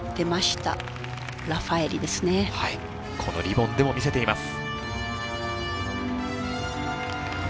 このリボンでも見せています。